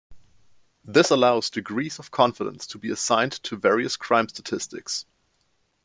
This allows degrees of confidence to be assigned to various crime statistics.